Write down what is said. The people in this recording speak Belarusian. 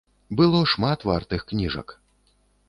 Было шмат вартых кніжак.